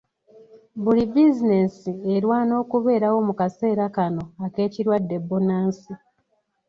Buli bizinensi erwana okubeerawo mu kaseera kano ak'ekirwadde bbunansi.